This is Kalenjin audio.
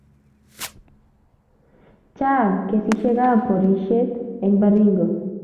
Chang kesishek ab porishet en Baringo